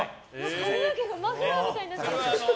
髪の毛がマフラーみたいになってる。